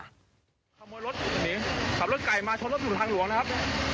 ขโมยรถหนีขับรถไก่มาชนรถอยู่ทางหลวงนะครับ